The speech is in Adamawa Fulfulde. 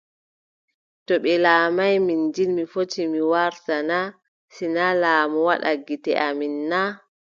To ɓe laamaay Minjil mi fotti mi warta na ? Si naa laamu waɗa gite amin naa ?